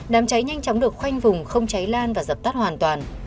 đám cháy nhanh chóng được khoanh vùng không cháy lan và dập tắt hoàn toàn